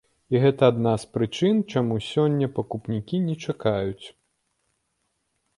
І гэта адна з прычын, чаму сёння пакупнікі не чакаюць.